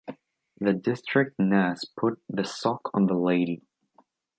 The district nurse put the sock on the lady.